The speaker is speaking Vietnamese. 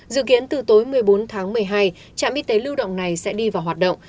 dự kiến từ tối một mươi bốn tháng một mươi hai trạm y tế lưu động này sẽ đi vào hoạt động